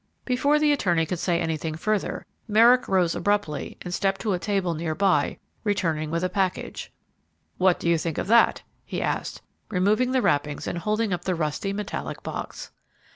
Before the attorney could say anything further, Merrick rose abruptly and stepped to a table near by, returning with a package. "What do you think of that?" he asked, removing the wrappings and holding up the rusty, metallic box.